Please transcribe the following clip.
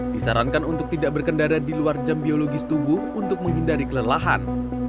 disarankan untuk tidak berkendara di luar jam biologis tunggu untuk menghindari kelelahan